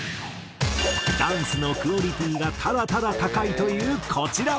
ダンスのクオリティーがただただ高いというこちら。